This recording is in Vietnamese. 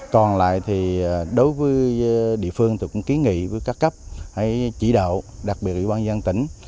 còn lại thì đối với địa phương thì cũng ký nghị với các cấp hay chỉ đạo đặc biệt ủy ban dân tỉnh